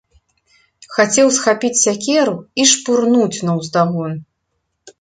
Хацеў схапіць сякеру і шпурнуць наўздагон.